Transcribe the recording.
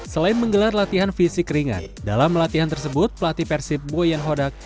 selain menggelar latihan fisik ringan dalam latihan tersebut pelatih persib boyan hodak